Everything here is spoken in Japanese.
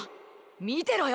見てろよ！